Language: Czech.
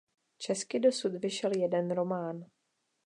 Česky dosud vyšel jeden román.